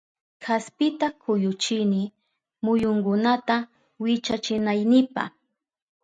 Kaspita kuyuchini muyunkunata wichachinaynipa